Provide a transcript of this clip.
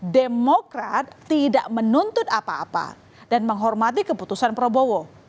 demokrat tidak menuntut apa apa dan menghormati keputusan prabowo